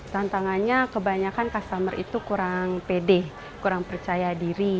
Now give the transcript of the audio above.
tantangannya kebanyakan customer itu kurang pede kurang percaya diri